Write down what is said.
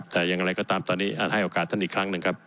แต่อย่างไรก็ตามตอนนี้ให้โอกาสท่านอีกครั้งหนึ่งครับ